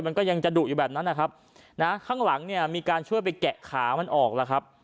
มันก็ยังจะดุอยู่แบบนั้นนะครับนะข้างหลังเนี่ยมีการช่วยไปแกะขามันออกแล้วครับ